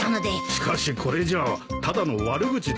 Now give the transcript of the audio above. しかしこれじゃあただの悪口だぞ。